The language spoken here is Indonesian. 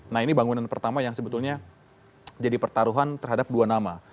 nah ini bangunan pertama yang sebetulnya jadi pertaruhan terhadap dua nama